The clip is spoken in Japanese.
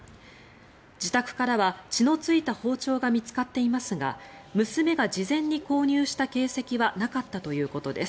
自宅からは血のついた包丁が見つかっていますが娘が事前に購入した形跡はなかったということです。